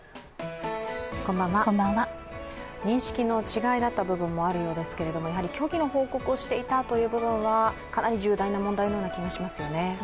認識の違いだった部分もあるようですけれども虚偽の報告をしていたという部分はかなり重大な問題のような気がしますよね。